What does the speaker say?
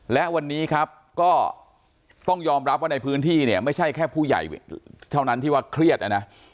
และวันนี้ครับก็ต้องยอมรับว่าในพื้นที่เนี่ยไม่ใช่แค่ผู้ใหญ่เท่านั้นที่ว่าเครียดนะ